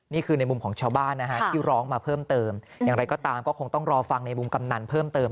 นี่คือในมุมของชาวบ้านนะฮะที่ร้องมาเพิ่มเติมอย่างไรก็ตามก็คงต้องรอฟังในมุมกำนันเพิ่มเติม